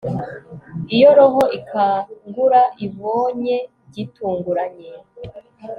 iyo roho ikangura ibonye gitunguranye